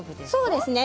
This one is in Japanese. そうですね。